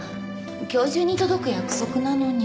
今日中に届く約束なのに。